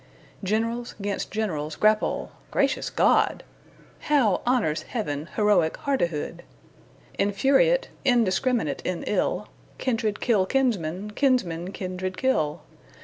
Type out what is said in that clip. Generals 'gainst generals grapple gracious God! How honors Heaven heroic hardihood! Infuriate, indiscrminate in ill, Kindred kill kinsmen, kinsmen kindred kill.